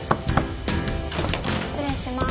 失礼します。